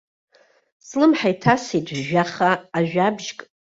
Слымҳа иҭасит жәаха ажәабжьк.